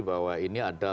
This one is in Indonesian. bahwa ini ada